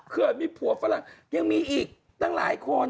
เคยมีผัวฝรั่งยังมีอีกตั้งหลายคน